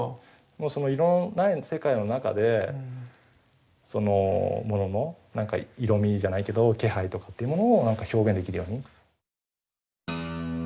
もうその色のない世界の中でそのものの色みじゃないけど気配とかっていうものを表現できるように。